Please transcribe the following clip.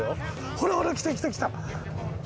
ほらほらきたきたきた！